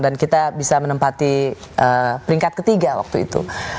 dan kita bisa menempati peringkat ketiga waktu itu